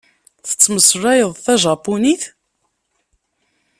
Tettmeslayeḍ tajapunit?